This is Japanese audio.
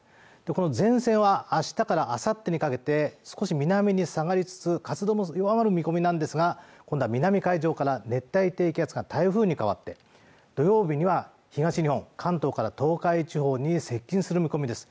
この前線は明日からあさってにかけて少し南に下がりつつ活動も弱まる見込みなんですが今度は南海上から熱帯低気圧が台風に変わって土曜日には東日本関東から東海地方に接近する見込みです